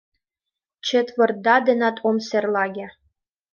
Четвыртда денат ом серлаге!